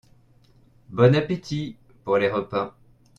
Bon appétit ! (pour les repas…).